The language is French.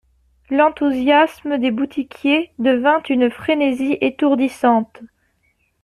L'enthousiasme des boutiquiers devint une frénésie étourdissante.